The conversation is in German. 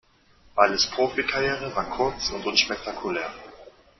Valles Profikarriere war kurz und unspektakulär.